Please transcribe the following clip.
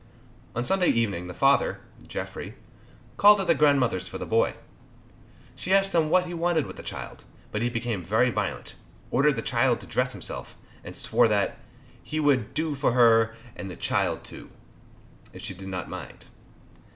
On Sunday evening the father (Jeffery) called at the grandmother's for the boy. She asked him what he wanted with the child, but he became very violent, ordered the child to dress himself, and swore that "he would do for her and the child too," if she did not mind.